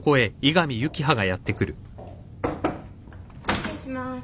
・・失礼します。